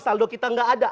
saldo kita gak ada